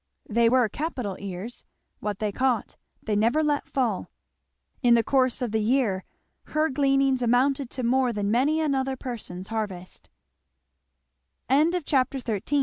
They were capital ears; what they caught they never let fall. In the course of the year her gleanings amounted to more than many another person's harv